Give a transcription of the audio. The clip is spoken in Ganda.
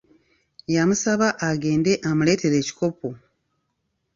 Yamusaba agende amuleetere ekikopo.